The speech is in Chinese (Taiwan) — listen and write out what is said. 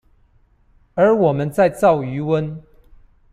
而我們在造魚塭